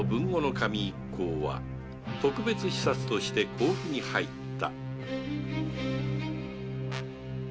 守一行は特別視察として甲府に入った